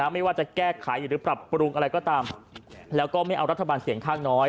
ไม่ว่าจะแก้ไขหรือปรับปรุงอะไรก็ตามแล้วก็ไม่เอารัฐบาลเสียงข้างน้อย